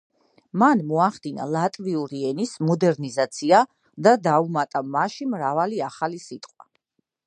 მან მოახდინა ლატვიური ენის მოდერნიზაცია და დაუმატა მასში მრავალი ახალი სიტყვა.